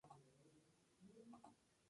Más antigua es la plaza de toros.